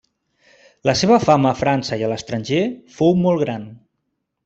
La seva fama a França i a l'estranger fou molt gran.